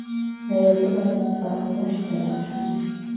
ایا زه باید باغ وحش ته لاړ شم؟